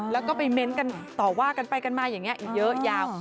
แล้วก็ไปเม้นต์กันต่อว่ากันไปกันมาอย่างนี้อีกเยอะยาว